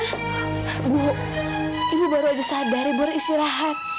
ibu ibu baru ada saat dari ibu harus istirahat